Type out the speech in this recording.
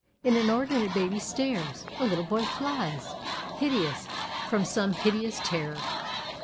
An inordinate baby stares; a little boy flies, hideous, from some hideous terror.